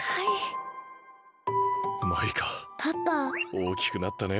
おおきくなったね。